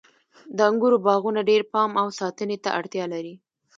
د انګورو باغونه ډیر پام او ساتنې ته اړتیا لري.